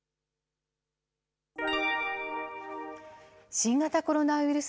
新型コロナウイルス